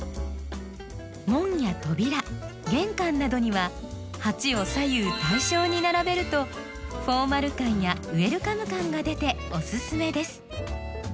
門や扉玄関などには鉢を左右対称に並べるとフォーマル感やウエルカム感が出ておすすめです。